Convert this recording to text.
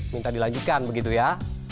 minta dilanjutkan begitu ya